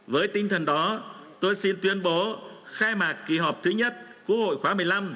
với tinh thần đó tôi xin tuyên bố khai mạc kỳ họp thứ nhất quốc hội khóa một mươi năm